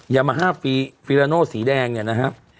ยามาฮ่าฟีฟิลาโน่สีแดงเนี่ยนะฮะ